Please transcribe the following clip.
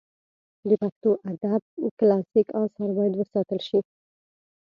د پښتو ادب کلاسیک آثار باید وساتل سي.